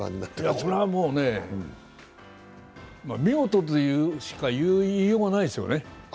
これは見事としか言いようがないですよね。